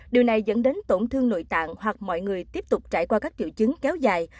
điều này dẫn đến tổn thương nội tạng hoặc mọi người tiếp tục trải qua các triệu chứng kéo dài